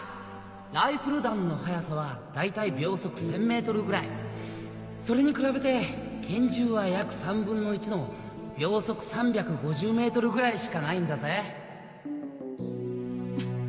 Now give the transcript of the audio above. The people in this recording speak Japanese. ライフル弾の速さは大体秒速１０００それに比べて拳銃は約３分の１の秒速３５０ｍぐらいしかないんだぜフッ。